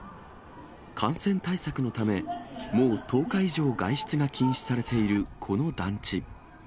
感染対策のため、もう１０日以上外出が禁止されているこの団地。